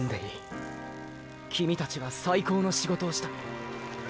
キミたちは最高の仕事をした。